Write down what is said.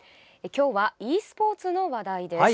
今日はｅスポーツの話題です。